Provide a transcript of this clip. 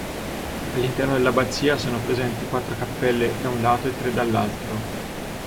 All'interno dell'abbazia sono presenti quattro cappelle da un lato e tre dall'altro.